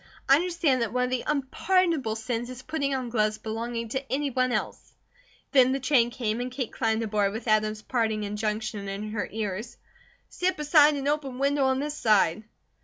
I understand that one of the unpardonable sins is putting on gloves belonging to any one else." Then the train came and Kate climbed aboard with Adam's parting injunction in her ears: "Sit beside an open window on this side!"